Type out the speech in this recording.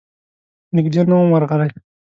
نږدې نه وم ورغلی.